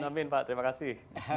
amin pak terima kasih